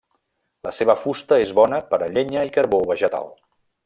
La seva fusta és bona per a llenya i carbó vegetal.